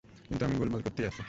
কিন্তু আমি গোলমাল করতেই আছি।